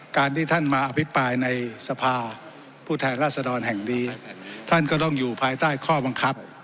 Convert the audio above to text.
การที่ท่านมาอภิปรายในสภาผู้แทนราษฎรแห่งนี้ท่านก็ต้องอยู่ภายใต้ข้อบังคับ